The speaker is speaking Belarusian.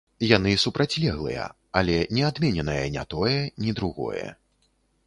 Яны супрацьлеглыя, але не адмененае не тое, ні другое.